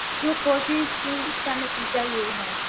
جو کوشش کی اس کا نتیجہ یہ ہے ۔